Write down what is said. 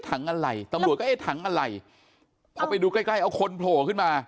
อะไรตำรวจก็เอ๊ะถังอะไรพอไปดูใกล้ใกล้เอาคนโผล่ขึ้นมา